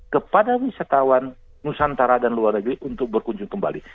kepada wisatawan nusantara dan luar negeri untuk berkunjung kembali